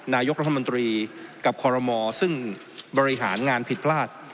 นายกรัฐมนตรีกับคอรมอซึ่งบริหารงานผิดพลาด